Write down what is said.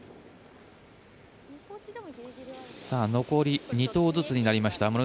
残り２投ずつとなりました。